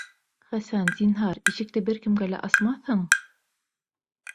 Хәсән, зинһар, ишекте бер кемгә лә асмаҫһың?!